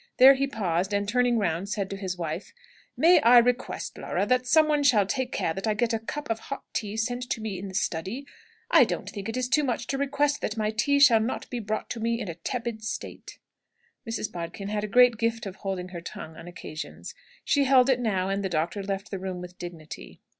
There he paused, and turning round said to his wife, "May I request, Laura, that somebody shall take care that I get a cup of hot tea sent to me in the study? I don't think it is much to request that my tea shall not be brought to me in a tepid state!" Mrs. Bodkin had a great gift of holding her tongue on occasions. She held it now, and the doctor left the room with dignity.